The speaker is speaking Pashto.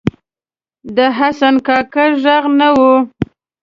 د حسن کاکړ ږغ نه و